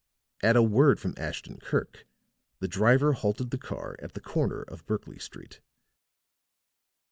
At a word from Ashton Kirk the driver halted the car at the corner of Berkley Street.